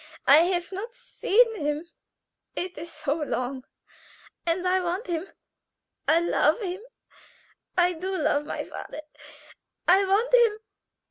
I have not seen him it is so long, and I want him. I love him; I do love my father, and I want him."